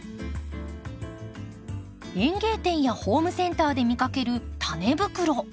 園芸店やホームセンターで見かけるタネ袋。